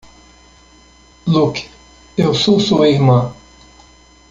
Luke? Eu sou sua irmã!